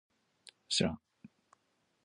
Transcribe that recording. しらん